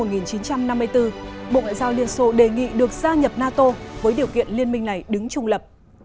bộ ngoại giao liên xô đề nghị được gia nhập nato với điều kiện liên minh này đứng trung lập